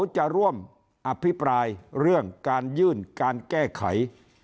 จะร่วมอภิปรายเรื่องการยื่นการแก้ไข